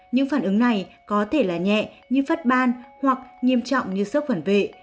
những phản ứng này có thể là nhẹ như phát ban hoặc nghiêm trọng như sốc phản vệ